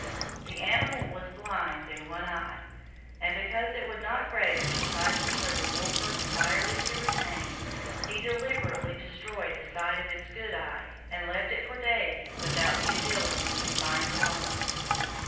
The animal was blind in one eye, and because it would not graze precisely where the wolfer desired it to remain, he deliberately destroyed the sight of its good eye, and left it for days, without the ability to find water.